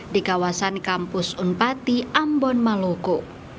di kawasan kampus unpati ambon maluku